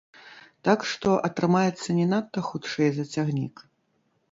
Так што атрымаецца не надта хутчэй за цягнік.